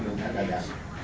dan yang lainnya